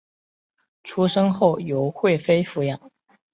出生后由惠妃抚养。